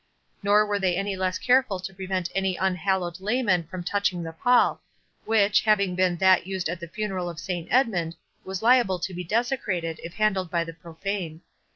Nor were they less careful to prevent any unhallowed layman from touching the pall, which, having been that used at the funeral of Saint Edmund, was liable to be desecrated, if handled by the profane.